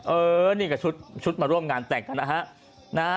เออนี่ก็ชุดมาร่วมงานแต่งนะฮะ